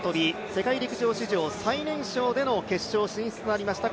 世界陸上史上最年少での決勝進出となりました